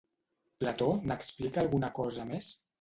Plató n'explica alguna cosa més?